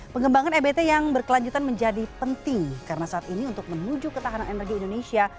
pengembangan ebt yang berkelanjutan menjadi penting karena saat ini untuk menuju ketahanan energi indonesia